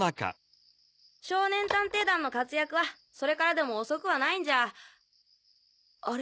少年探偵団の活躍はそれからでも遅くはないんじゃあ。